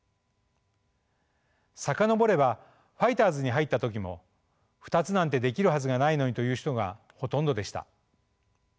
遡ればファイターズに入った時も２つなんてできるはずがないのにという人がほとんどでした。